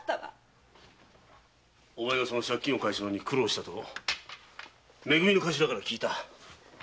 お前がその借金を返すのに苦労したとめ組の頭から聞いた。